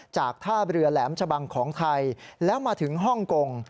จากท่าเรือแหลมชะบังของไทยแล้วมาถึงฮ่องกง